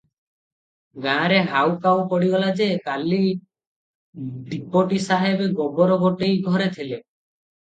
ଗାଁରେ ହାଉ କାଉ ପଡ଼ିଗଲା ଯେ, କାଲି ଡିପୋଟି ସାହେବ ଗୋବର ଗୋଟେଇ ଘରେ ଥିଲେ ।